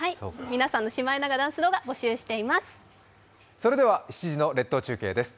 皆さんのシマエナガ動画、募集しています。